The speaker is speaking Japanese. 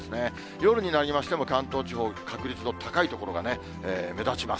夜になりましても、関東地方の確率の高い所が目立ちます。